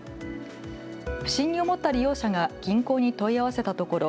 不審に思った利用者が銀行に問い合わせたところ